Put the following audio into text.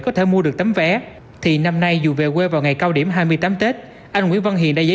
có thể mua được tấm vé thì năm nay dù về quê vào ngày cao điểm hai mươi tám tết anh nguyễn văn hiền đã giấy